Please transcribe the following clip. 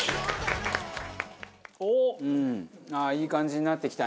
おっ！ああいい感じになってきたね！